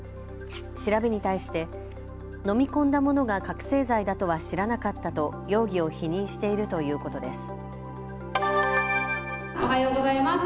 調べに対して、飲み込んだ物が覚醒剤だとは知らなかったと容疑を否認しているということです。